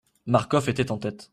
Marcof était en tête.